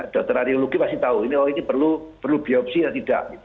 dokter areologi pasti tahu ini perlu biopsi atau tidak